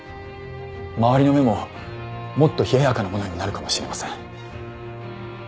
周りの目ももっと冷ややかなものになるかもしれません。